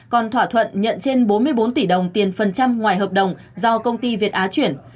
còn thỏa thuận nhận trên bốn mươi bốn tỷ đồng tiền phần trăm ngoài hợp đồng do công ty việt á chuyển